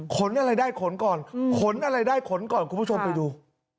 ขนอะไรได้ขนก่อนขนอะไรได้ขนก่อนคุณผู้ชมไปดู